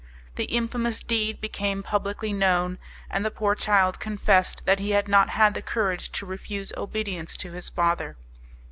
The infamous deed became publicly known, and the poor child confessed that he had not had the courage to refuse obedience to his father.